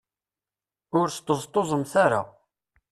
Ur sṭeẓṭuẓemt ara.